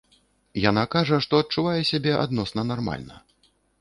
Яна кажа, што адчувае сябе адносна нармальна.